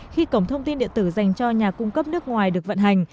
khi cổng thông tin điện tử dành cho nhà cung cấp nước ngoài được vận hành